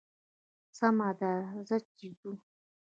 سمه ده ځه چې ځو.